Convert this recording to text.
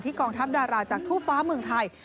กองทัพดาราจากทั่วฟ้าเมืองไทย